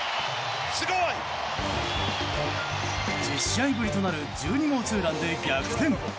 １０試合ぶりとなる１２号ツーランで逆転。